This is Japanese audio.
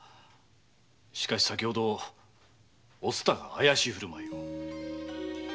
しかし先ほどお蔦が怪しい振る舞いを。